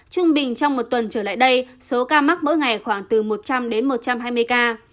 trung bình trong một tuần trở lại đây số ca mắc mỗi ngày khoảng từ một trăm linh đến một trăm hai mươi ca